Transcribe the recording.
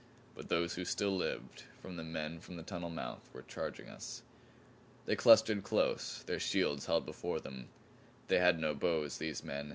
But those who still lived of the men from the tunnel mouth were charging us. They clustered close, their shields held before them. They had no bows, these men.